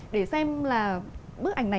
để xem là bức ảnh này